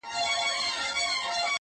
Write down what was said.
o ځيني يې لوړ هنر بولي تل,